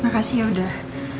makasih ya udah